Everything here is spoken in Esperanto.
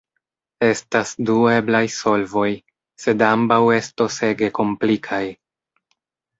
Estas du eblaj solvoj, sed ambaŭ estos ege komplikaj.